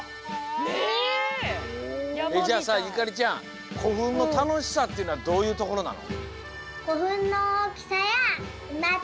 ねえ！じゃあさゆかりちゃんこふんのたのしさっていうのはどういうところなの？